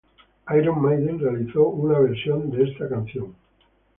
Iron Maiden realizó una versión de esta canción.